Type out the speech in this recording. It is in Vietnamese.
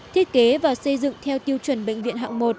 thiết kế và xây dựng theo tiêu chuẩn bệnh viện hạng một